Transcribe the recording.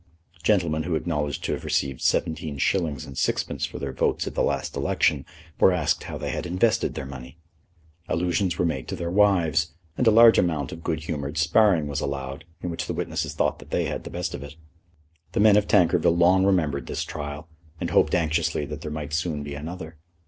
Gentlemen who acknowledged to have received seventeen shillings and sixpence for their votes at the last election were asked how they had invested their money. Allusions were made to their wives, and a large amount of good humoured sparring was allowed, in which the witnesses thought that they had the best of it. The men of Tankerville long remembered this trial, and hoped anxiously that there might soon be another.